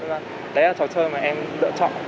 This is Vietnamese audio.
đấy là trò chơi mà em lựa chọn